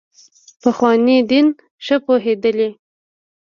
پخواني دین ښه پوهېدلي.